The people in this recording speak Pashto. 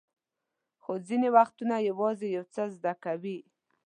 خو ځینې وختونه یوازې یو څه زده کوئ.